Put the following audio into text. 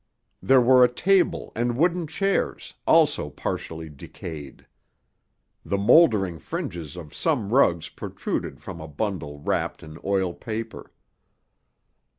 There were a table and wooden chairs, also partially decayed. The mouldering fringes of some rugs protruded from a bundle wrapped in oil paper.